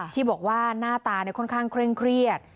ที่บอกว่าหน้าตาค่อนข้างเคร่งเครียด